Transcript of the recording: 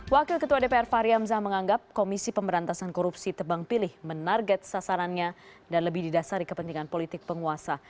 wakil ketua dpr fahri hamzah menganggap komisi pemberantasan korupsi tebang pilih menarget sasarannya dan lebih didasari kepentingan politik penguasa